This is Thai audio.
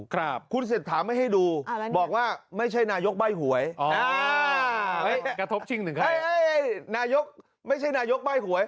ครับคุณเสร็จถามไม่ให้ดูบอกว่าไม่ใช่นายกใบ้หวย